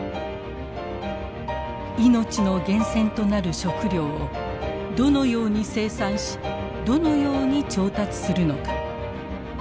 命の源泉となる食料をどのように生産しどのように調達するのか。